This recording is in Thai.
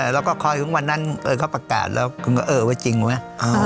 แล้วก็คอยของวันนั้นเขาประกาศแล้วคุณก็เออไว้จริงไหม